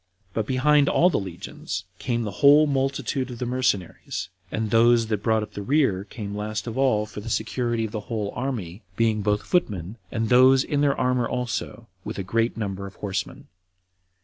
But behind all the legions came the whole multitude of the mercenaries; and those that brought up the rear came last of all for the security of the whole army, being both footmen, and those in their armor also, with a great number of horsemen.